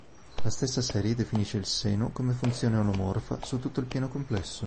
La stessa serie definisce il seno come funzione olomorfa su tutto il piano complesso.